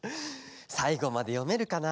さいごまでよめるかな？